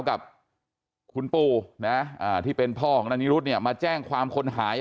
กับคุณปู่นะที่เป็นพ่อของนายนิรุธเนี่ยมาแจ้งความคนหาย